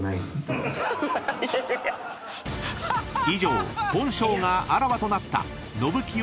［以上本性があらわとなったのぶきよ